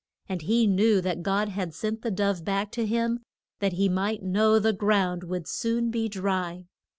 And he knew that God had sent the dove back to him that he might know the ground would soon be dry.